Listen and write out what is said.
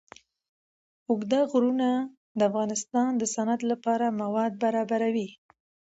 اوږده غرونه د افغانستان د صنعت لپاره مواد برابروي.